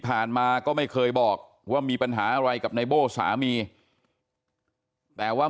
มาก็ไม่เคยบอกว่ามีปัญหาอะไรกับนายโบ้สามีแต่ว่า